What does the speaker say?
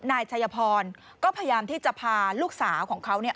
นายชัยพรก็พยายามที่จะพาลูกสาวของเขาเนี่ย